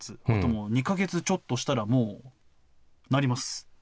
あともう２か月ちょっとしたら、もうなります。